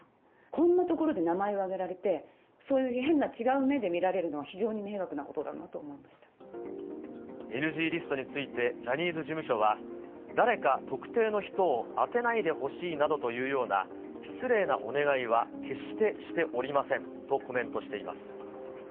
こんなところで名前を挙げられて、そういう変な違う目で見られるのは非常に迷惑なことだなと思いまＮＧリストについてジャニーズ事務所は、誰か特定の人を当てないでほしいなどというような失礼なお願いは決してしておりませんとコメントしています。